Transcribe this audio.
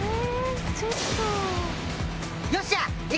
ちょっと！